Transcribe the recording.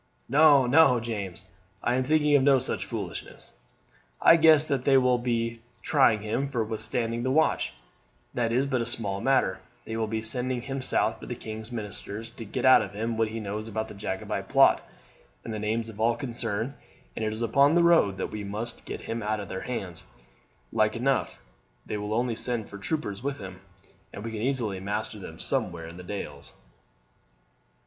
"No, no, James, I am thinking of no such foolishness. I guess that they will not be trying him for withstanding the watch, that's but a small matter; they will be sending him south for the king's ministers to get out of him what he knows about the Jacobite plot and the names of all concerned, and it's upon the road that we must get him out of their hands. Like enough they will only send four troopers with him, and we can easily master them somewhere in the dales."